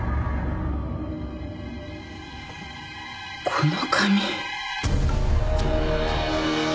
この紙。